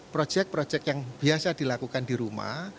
proyek proyek yang biasa dilakukan di rumah